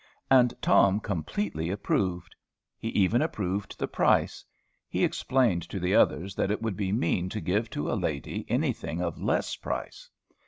And Tom completely approved. He even approved the price. He explained to the others that it would be mean to give to a lady any thing of less price.